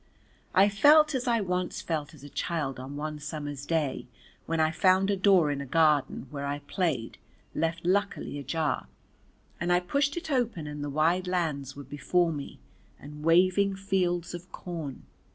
I felt as I once felt as a child on one summer's day when I found a door in a garden where I played left luckily ajar, and I pushed it open and the wide lands were before me and waving fields of corn.